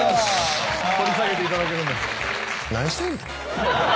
掘り下げていただけるんだ。